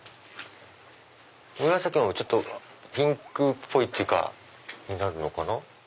紫もピンクっぽいっていうかなるのかな。